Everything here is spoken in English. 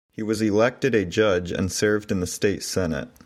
He was elected a judge and served in the state senate.